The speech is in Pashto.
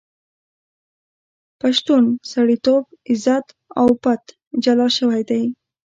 پښتون سړیتوب، عزت او پت جلا شوی دی.